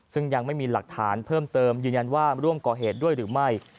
ซึ่งยังไม่มีหลักฐานเพิ่มเติมยืนยันว่าร่วมก่อเหตุด้วยหรือไม่